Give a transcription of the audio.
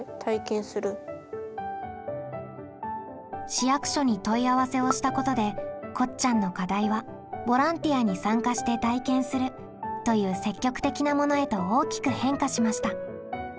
市役所に問い合わせをしたことでこっちゃんの課題は「ボランティアに参加して体験する」という積極的なものへと大きく変化しました。